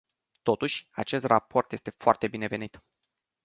Totuși, acest raport este foarte binevenit.